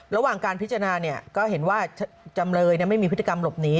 ระหว่างการพิจารณาก็เห็นว่าจำเลยไม่มีพฤติกรรมหลบหนี